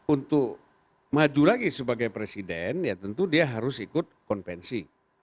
untuk maju lagi sebagai presiden ya tentu dia harus ikut konvensi